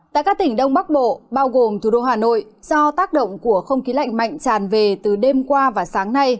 tại các tỉnh đông bắc bộ bao gồm thủ đô hà nội do tác động của không khí lạnh mạnh tràn về từ đêm qua và sáng nay